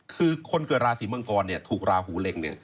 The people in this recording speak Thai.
คือคนเกิดราศีมังกรถูกราหูเล็ง